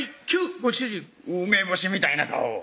ご主人「梅干しみたいな顔！」